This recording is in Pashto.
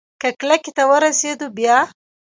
که کلکې ته ورسېدو بيا؟